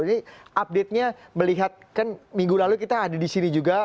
jadi update nya melihat kan minggu lalu kita ada di sini juga